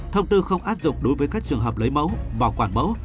thông tư không áp dụng đối với các trường hợp lấy mẫu bảo quản mẫu